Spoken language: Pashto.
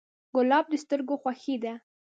ګلاب د سترګو خوښي ده.